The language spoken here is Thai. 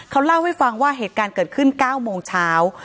เขาเล่าให้ฟังว่าเหตุการณ์เกิดขึ้น๙โมงเช้า